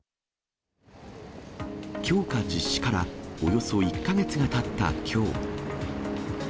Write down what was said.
強化実施からおよそ１か月がたったきょう。